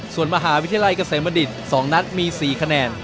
ส่วนมหาวิทยาลัยเกษมบดิษฐ์๒นัดมี๔คะแนน